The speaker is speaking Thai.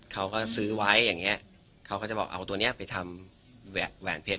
เขาก็ซื้อไว้อย่างเงี้ยเขาก็จะบอกเอาตัวเนี้ยไปทำแหวนเพชร